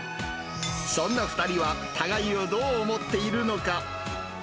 そんな２人は、互いをどう思っているのか。